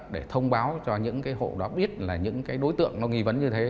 để thông báo cho những hộ đó biết là những đối tượng nghi vấn như thế